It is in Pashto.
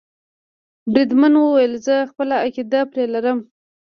بریدمن وویل زه خپله عقیده پرې لرم.